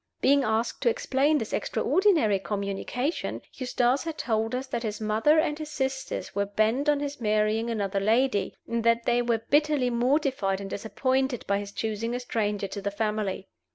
Being asked to explain this extraordinary communication, Eustace had told us that his mother and his sisters were bent on his marrying another lady, and that they were bitterly mortified and disappointed by his choosing a stranger to the family.